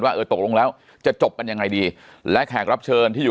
เออตกลงแล้วจะจบกันยังไงดีและแขกรับเชิญที่อยู่